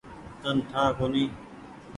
تن ٺآ ڪونيٚ ۔